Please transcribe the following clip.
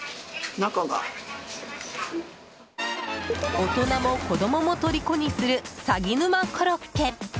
大人も子供もとりこにするさぎ沼コロッケ。